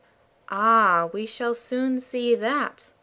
"Ah! we shall soon see that!"